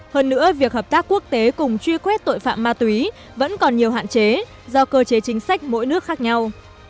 hơn nữa việc hợp tác quốc tế cùng truy quét tội phạm ma túy vẫn còn nhiều hạn chế do cơ chế chính sách mỗi nước khác nhau